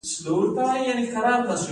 د ننګرهار په دور بابا کې د سمنټو مواد شته.